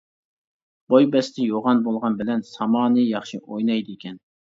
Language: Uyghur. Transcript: بوي بەستى يوغان بولغان بىلەن سامانى ياخشى ئوينايدىكەن.